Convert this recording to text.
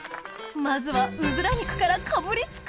まずはうずら肉からかぶりつく！